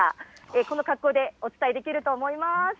この格好でお伝えできると思います。